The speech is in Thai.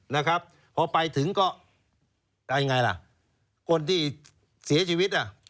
นะครับพอไปถึงก็เอายังไงล่ะคนที่เสียชีวิตอ่ะ